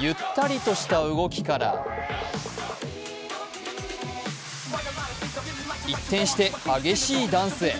ゆったりとした動きから一転して激しいダンスへ。